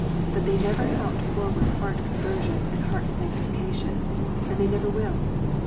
But they never helped forward heart conversion and heart sanctification, and they never will.